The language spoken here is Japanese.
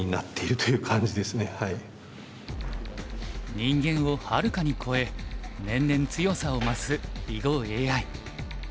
人間をはるかに超え年々強さを増す囲碁ＡＩ。